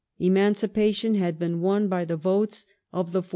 Emancipation had been won by the votes of the 40s.